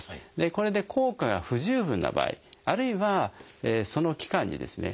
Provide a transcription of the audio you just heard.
これで効果が不十分な場合あるいはその期間にですね